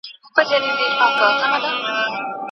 لپاره بېسارې مرسته کړې ده.